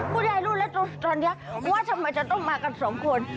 ยายรู้แล้วตอนนี้ว่าทำไมจะต้องมากันสองคน